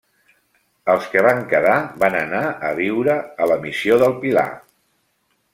Els que van quedar van anar a viure a la missió del Pilar.